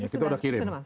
kita sudah kirim